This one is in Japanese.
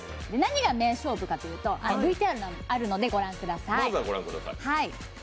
何が名勝負かというと、ＶＴＲを御覧ください。